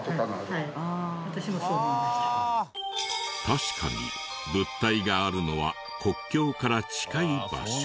確かに物体があるのは国境から近い場所。